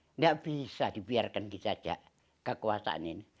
tidak bisa dibiarkan dijajak kekuasaan ini